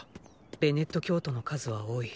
ベネット教徒の数は多い。